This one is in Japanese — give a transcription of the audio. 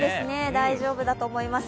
大丈夫だと思います。